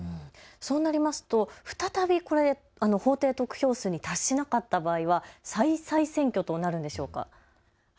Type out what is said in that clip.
そうなりますと再びこれ、法定得票数に達しなかった場合は再々選挙となるんでしょうか。